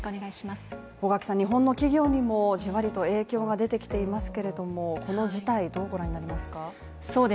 日本の企業にもじわりと影響が出てきていますけれども、この事態どう御覧になりますか？